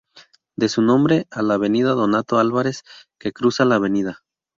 Debe su nombre a la Avenida Donato Álvarez, que cruza la Av.